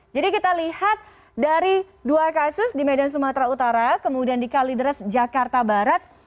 jadi kita lihat dari dua kasus di medan sumatera utara kemudian di kalideras jakarta barat